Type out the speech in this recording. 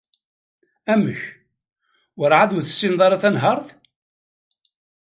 Amek... werɛad ur tessineḍ tanhaṛt?